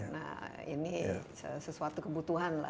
nah ini sesuatu kebutuhan lah